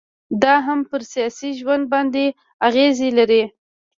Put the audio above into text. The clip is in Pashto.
دا هم پر سياسي ژوند باندي اغيزي لري